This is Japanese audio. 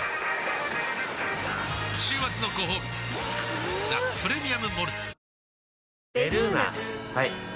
週末のごほうび「ザ・プレミアム・モルツ」